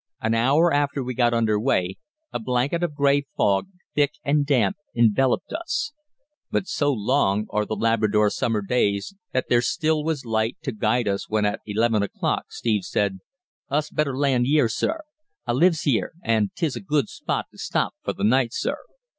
An hour after we got under way a blanket of grey fog, thick and damp, enveloped us; but so long are the Labrador summer days that there still was light to guide us when at eleven o'clock Steve said: "Us better land yere, sir. I lives yere, an' 'tis a good spot t' stop for th' night, sir."